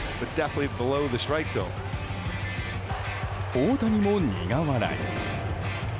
大谷も苦笑い。